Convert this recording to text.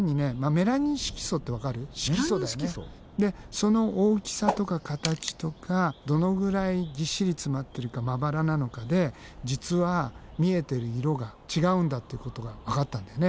メラニン色素？でその大きさとか形とかどのぐらいぎっしり詰まってるかまばらなのかで実は見えてる色が違うんだってことがわかったんだよね。